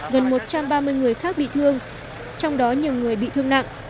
gần một trăm ba mươi người khác bị thương trong đó nhiều người bị thương nặng